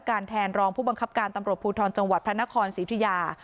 แทนรองผู้บังคับการตำรวจภูทรจังหวัดพระนครศรีอุทิยา